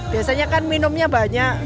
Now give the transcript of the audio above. biasanya kan minumnya banyak